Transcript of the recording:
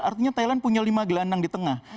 artinya thailand punya lima gelandang di tengah